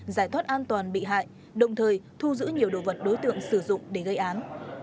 giải thoát an toàn bị hại đồng thời thu giữ nhiều đồ vật đối tượng sử dụng để gây án